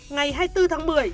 ngày hai mươi bốn tháng một mươi